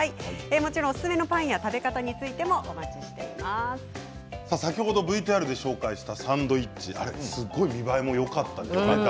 もちろん、おすすめのパンや食べ方についても先ほどＶＴＲでご紹介したサンドイッチすごい見栄えもよかったですよね。